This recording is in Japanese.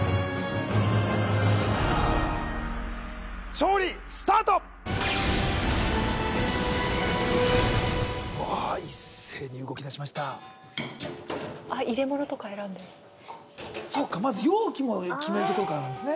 調理スタート一斉に動きだしました入れ物とか選んでるそっかまず容器も決めるところからなんですね